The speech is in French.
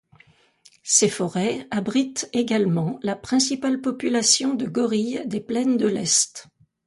Ces forêts abritent également la principale population de gorille des plaines de l'est.